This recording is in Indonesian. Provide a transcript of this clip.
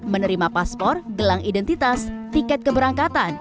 menerima paspor gelang identitas tiket keberangkatan